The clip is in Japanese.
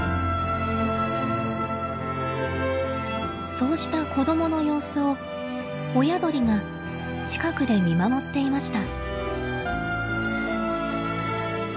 そうした子供の様子を親鳥が近くで見守っていました。